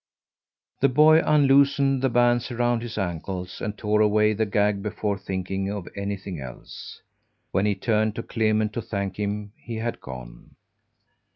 The boy unloosed the bands around his ankles and tore away the gag before thinking of anything else. When he turned to Clement to thank him, he had gone.